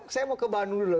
saya mau ke bandung dulu